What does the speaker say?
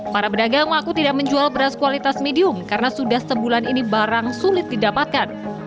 para pedagang mengaku tidak menjual beras kualitas medium karena sudah sebulan ini barang sulit didapatkan